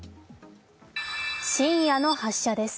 深夜の発射です。